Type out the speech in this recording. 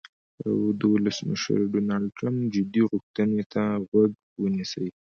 او د ولسمشر ډونالډ ټرمپ "جدي غوښتنې" ته غوږ ونیسي.